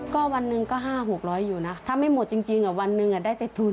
ก็วันหนึ่งก็๕๖๐๐อยู่นะถ้าไม่หมดจริงวันหนึ่งได้แต่ทุน